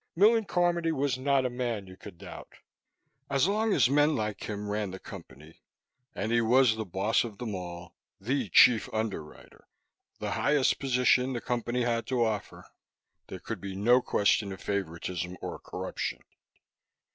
Millen Carmody was not a man you could doubt. As long as men like him ran the Company and he was the boss of them all, the Chief Underwriter, the highest position the Company had to offer there could be no question of favoritism or corruption.